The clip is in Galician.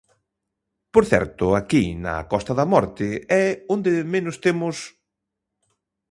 Por certo, aquí, na Costa da Morte, é onde menos temos...